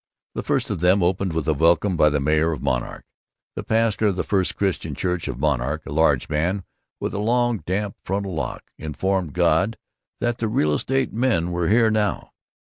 The first of them opened with a welcome by the mayor of Monarch. The pastor of the First Christian Church of Monarch, a large man with a long damp frontal lock, informed God that the real estate men were here now.